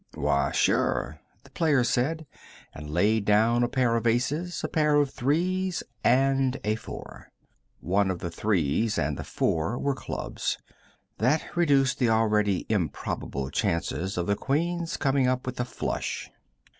"Why, sure," the player said, and laid down a pair of aces, a pair of threes and a four. One of the threes, and the four, were clubs. That reduced the already improbable chances of the Queen's coming up with a flush.